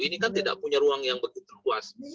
ini kan tidak punya ruang yang begitu luas